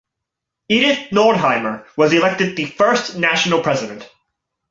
Edith Nordheimer was elected the first national president.